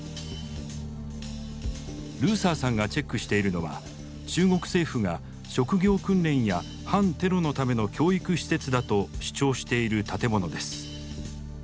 ルーサーさんがチェックしているのは中国政府が職業訓練や反テロのための教育施設だと主張している建物です。